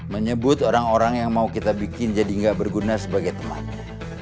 menyebut orang orang yang mau kita bikin jadi nggak berguna sebagai temannya